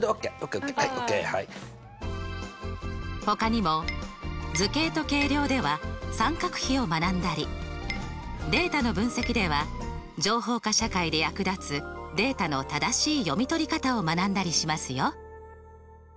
ほかにも「図形と計量」では三角比を学んだり「データの分析」では情報化社会で役立つデータの正しい読み取り方を学んだりしますよ。